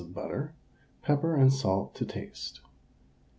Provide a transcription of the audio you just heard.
of butter, pepper and salt to taste.